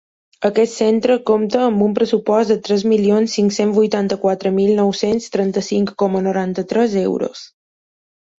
Aquest centre compta amb un pressupost de tres milions cinc-cents vuitanta-quatre mil nou-cents trenta-cinc coma noranta-tres euros.